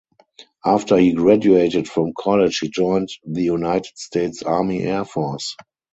After he graduated from college he joined the United States Army Air Force.